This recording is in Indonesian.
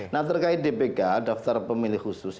nah terkait dpk daftar pemilih khusus